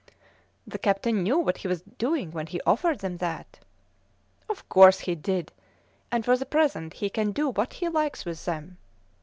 "The captain knew what he was doing when he offered them that." "Of course he did, and for the present he can do what he likes with them."